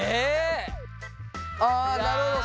あなるほど。